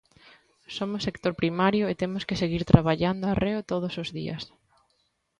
Somos sector primario e temos que seguir traballando arreo todos os días.